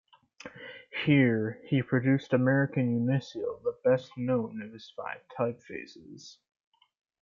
Here, he produced American Uncial the best known of his five typefaces.